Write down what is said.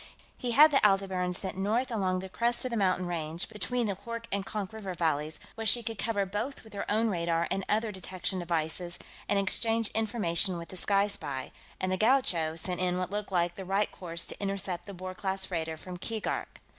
He had the Aldebaran sent north along the crest of the mountain range between the Hoork and Konk river valleys, where she could cover both with her own radar and other detection devices and exchange information with the Sky Spy, and the Gaucho sent in what looked like the right course to intercept the Boer class freighter from Keegark.